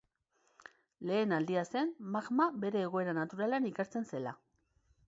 Lehen aldia zen magma bere egoera naturalean ikertzen zela.